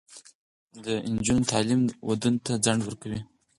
د نجونو تعلیم ودونو ته ځنډ ورکوي.